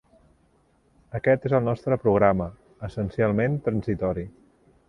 Aquest és el nostre programa, essencialment transitori.